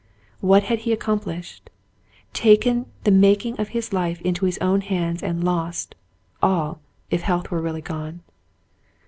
What had he accomplished ? Taken the making of his life into his own hands and lost — all — if health were really gone.